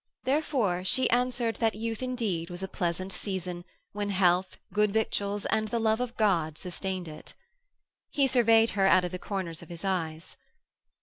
Therefore she answered that youth indeed was a pleasant season when health, good victuals and the love of God sustained it. He surveyed her out of the corners of his eyes.